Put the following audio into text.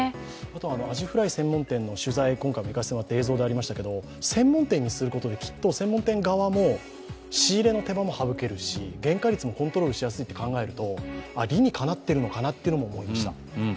アジフライ専門手の取材、今回も行かせてもらいましたけど、専門店にすることできっと専門店側も仕入れの手間も省けるし、原価率もコントロールしやすいと考えると理にかなっているのかなと思いました。